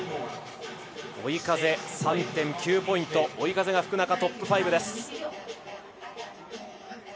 追い風３．９ポイント、追い風が吹く中、トップ５です。